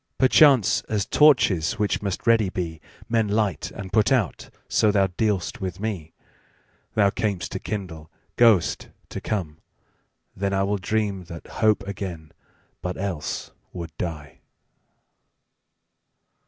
Perchance, as torches, which must ready be, Men light and put out, so thou dealst with me. Thou cam'st to kindle, goest to come: then IWill dream that hope again, but else would die.